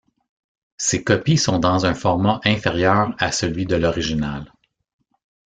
Ces copies sont dans un format inférieur à celui de l'original.